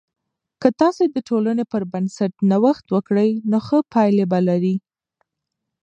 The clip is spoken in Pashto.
که تاسې د ټولنې پر بنسټ نوښت وکړئ، نو ښه پایلې به لرئ.